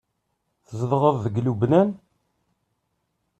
Tzedɣeḍ deg Lubnan?